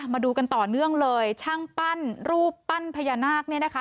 มาดูกันต่อเนื่องเลยช่างปั้นรูปปั้นพญานาคเนี่ยนะคะ